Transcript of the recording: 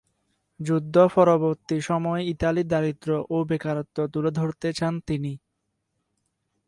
যুদ্ধ-পরবর্তী সময়ে ইতালির দারিদ্র ও বেকারত্ব তুলে ধরতে চান তিনি।